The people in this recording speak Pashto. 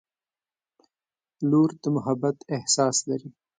• لور د محبت احساس لري.